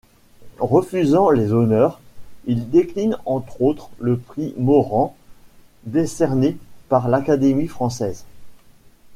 Refusant les honneurs, il décline entre autres le prix Morand décerné par l’Académie française.